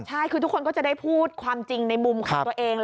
ใช่คือทุกคนก็จะได้พูดความจริงในมุมของตัวเอง